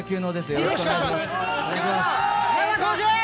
よろしくお願いします。